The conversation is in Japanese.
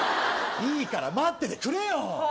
いいから待っててくれよ！